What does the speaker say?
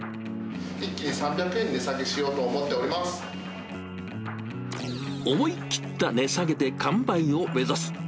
一気に３００円に値下げしよ思い切った値下げで完売を目指す。